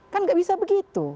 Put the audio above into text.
kan nggak bisa begitu